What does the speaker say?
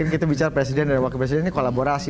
kita bicara presiden dan wakil presiden ini kolaborasi